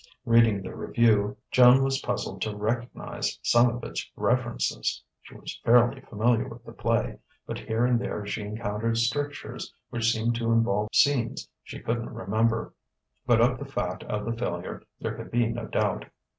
Reading the review, Joan was puzzled to recognize some of its references; she was fairly familiar with the play, but here and there she encountered strictures which seemed to involve scenes she couldn't remember. But of the fact of the failure there could be no doubt.